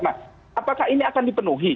nah apakah ini akan dipenuhi